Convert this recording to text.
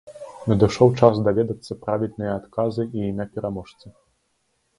Надышоў час даведацца правільныя адказы і імя пераможцы.